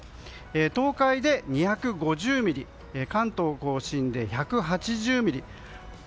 東海で２５０ミリ関東・甲信で１８０ミリ。